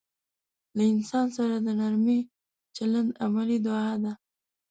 له انسان سره د نرمي چلند عملي دعا ده.